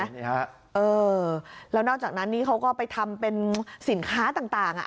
นี่ฮะเออแล้วนอกจากนั้นนี้เขาก็ไปทำเป็นสินค้าต่างอ่ะ